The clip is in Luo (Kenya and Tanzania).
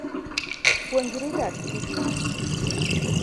Puonjri dak gi jii